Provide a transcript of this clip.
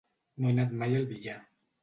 No he anat mai al Villar.